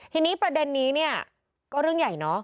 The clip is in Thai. ทีนี้ประเด็นนี้เรื่องใหญ่